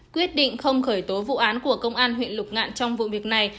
quyết định không khởi tố vụ án của công an huyện lục ngạn trong vụ việc này